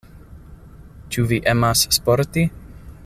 Ĉu vi emas sporti?